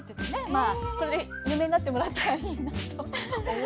まあこれで有名になってもらったらいいなと思ってます。